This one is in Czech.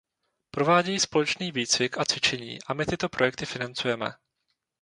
Provádějí společný výcvik a cvičení a my tyto projekty financujeme.